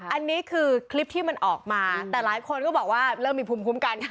อันนี้คือคลิปที่มันออกมาแต่หลายคนก็บอกว่าเริ่มมีภูมิคุ้มกัน